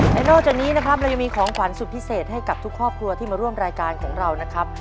และนอกจากนี้นะครับเรายังมีของขวัญสุดพิเศษให้กับทุกครอบครัวที่มาร่วมรายการของเรานะครับ